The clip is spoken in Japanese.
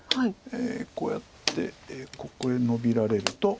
こうやってここへノビられると。